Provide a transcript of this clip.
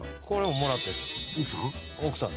奥さん？